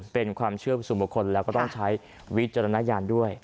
เป็นความเชื่อประสูบบุคคลแล้วก็ต้องใช้วิจารณญาณด้วย